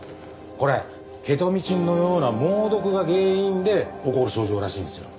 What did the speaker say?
これケトミチンのような猛毒が原因で起こる症状らしいんですよ。